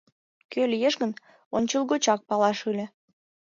Кӧ лиеш гын, ончылгочак палаш ыле...